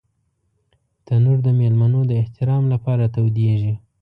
تنور د مېلمنو د احترام لپاره تودېږي